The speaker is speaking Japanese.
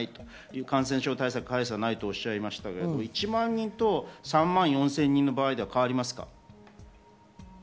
大差ないとおっしゃりましたが１万人と３万４０００人の場合では変わりますか？